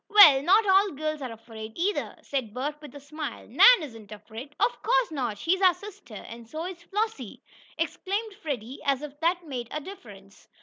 "Well, not all girls are afraid, either," said Bert with a smile. "Nan isn't afraid." "Of course not she's our sister, and so is Flossie!" exclaimed Freddie, as if that made a difference!